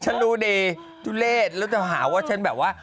ฉันรู้ดีทุเลศแล้วจะหาว่าฉันแบบว่า